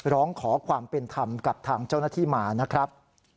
ร้องขอความเป็นธรรมกับทางเจ้าหน้าที่มานะครับ